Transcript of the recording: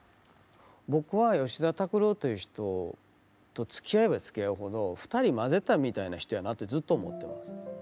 僕は吉田拓郎という人とつきあえばつきあうほどふたり混ぜたみたいな人やなってずっと思ってます。